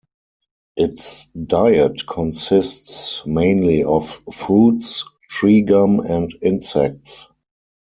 Its diet consists mainly of fruits, tree gum and insects.